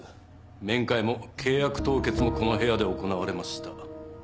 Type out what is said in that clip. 面会も契約締結もこの部屋で行われました。